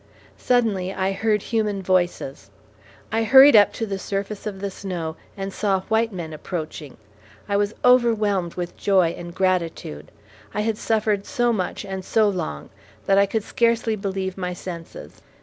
Suddenly I heard human voices. I hurried up to the surface of the snow, and saw white men approaching. I was overwhelmed with joy and gratitude. I had suffered so much and so long, that I could scarcely believe my senses.